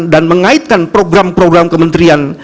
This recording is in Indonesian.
dan mengaitkan program program kementerian